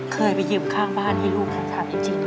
เคยไปยืมข้างบ้านให้ลูกฉันทำจริง